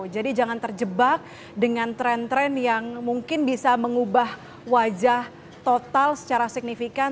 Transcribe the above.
jangan terjebak dengan tren tren yang mungkin bisa mengubah wajah total secara signifikan